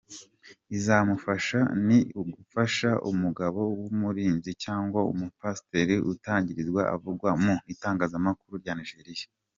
Ibizamufasha ni ugushaka umugabo w’umurinzi cyangwa umupasiteri utarigeze avugwa mu itangazamakuru rya Nigeria.